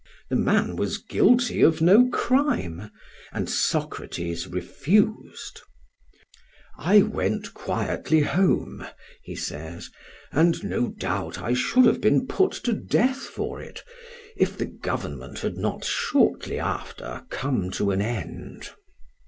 The man was guilty of no crime, and Socrates refused. "I went quietly home," he says, "and no doubt I should have been put to death for it, if the government had not shortly after come to an end."